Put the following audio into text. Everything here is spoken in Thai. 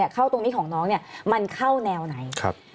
เข้าตรงนี้ของน้องมันเข้าแนวไหน